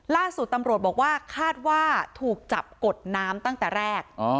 ล่าสุดตำรวจบอกว่าคาดว่าถูกจับกดน้ำตั้งแต่แรก